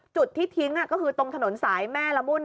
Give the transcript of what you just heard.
จุดที่ทิ้งก็คือตรงถนนสายแม่ละมุ่น